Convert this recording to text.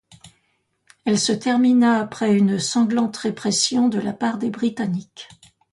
Elle se termina après une sanglante répression de la part des Britanniques.